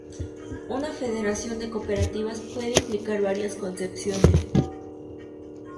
Una federación de cooperativas puede implicar varias concepciones